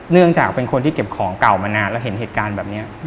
เนื่องจากเป็นคนที่เก็บของเก่ามานานแล้วเห็นเหตุการณ์แบบนี้